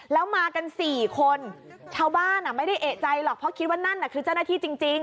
แล้วมากันสี่คนชาวบ้านไม่ได้เอกใจหรอกเพราะคิดว่านั่นน่ะคือเจ้าหน้าที่จริง